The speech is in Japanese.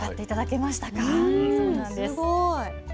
そうなんです。